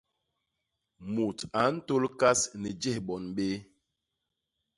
Mut a ntôl kas ni jés bon béé.